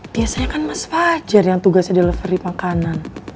biasanya kan mas fajar yang tugasnya delivery makanan